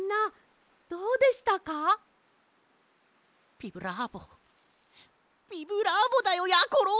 ビブラーボビブラーボだよやころ！